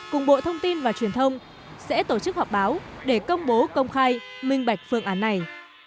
cùng bộ thông tin và truyền thông sẽ tổ chức họp báo để công bố công khai minh bạch phương án này